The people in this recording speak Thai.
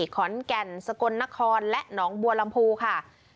ขอนแก่นสกลนครและหนองบัวลำพูค่ะ